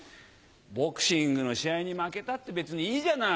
ボクシングの試合に負けたって別にいいじゃない。